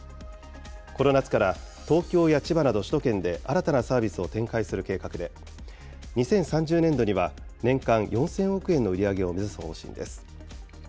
この夏から東京や千葉など首都圏で新たなサービスを展開する計画で、２０３０年度には年間４０００億円の売り上げを目指す方針です。